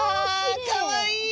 かわいい！